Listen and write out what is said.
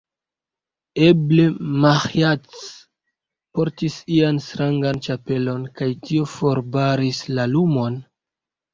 Eble, Maĥiac portis ian strangan ĉapelon, kaj tio forbaris la lumon.